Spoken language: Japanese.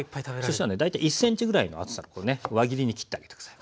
そしたらね大体１ｃｍぐらいの厚さこれね輪切りに切ってあげて下さい。